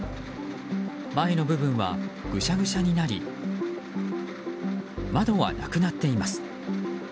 前の部分はぐしゃぐしゃになり窓はなくなっています。